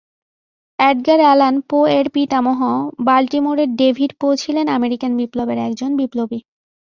Edgar Allan পো-এর পিতামহ বাল্টিমোরের ডেভিড পো ছিলেন আমেরিকান বিপ্লবের একজন বিপ্লবী।